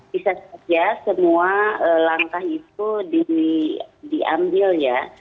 bisa saja semua langkah itu diambil ya